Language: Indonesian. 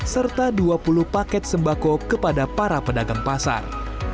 serta dua puluh paket sembako kepada para pedagang pasar